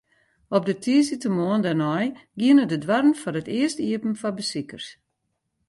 Op de tiisdeitemoarn dêrnei giene de doarren foar it earst iepen foar besikers.